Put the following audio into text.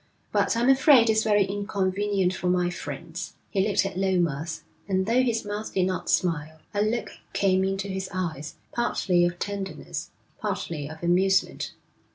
But I'm afraid it's very inconvenient for my friends.' He looked at Lomas, and though his mouth did not smile, a look came into his eyes, partly of tenderness, partly of amusement.